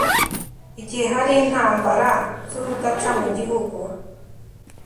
igihe hari intambara z'urudaca mu gihugu